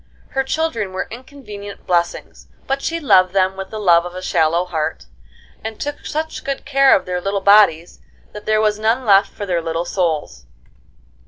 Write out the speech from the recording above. Her children were inconvenient blessings, but she loved them with the love of a shallow heart, and took such good care of their little bodies that there was none left for their little souls.